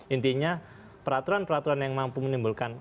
intinya peraturan peraturan yang mampu menimbulkan